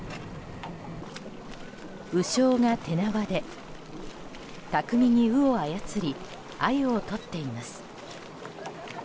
鵜匠が手縄で巧みに鵜を操りアユをとっています。